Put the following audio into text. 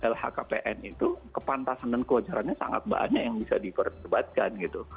lhkpn itu kepantasan dan kewajarannya sangat banyak yang bisa diperdebatkan gitu